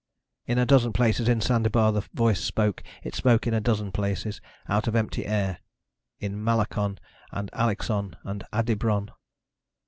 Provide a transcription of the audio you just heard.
In a dozen places in Sandebar the voice spoke. It spoke in a dozen places, out of empty air, in Malacon and Alexon and Adebron.